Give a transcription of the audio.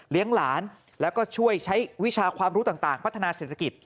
หลานแล้วก็ช่วยใช้วิชาความรู้ต่างพัฒนาเศรษฐกิจ